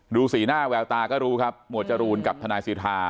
สีหน้าแววตาก็รู้ครับหมวดจรูนกับทนายสิทธา